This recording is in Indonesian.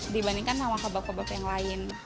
dibandingkan sama kebab kebak yang lain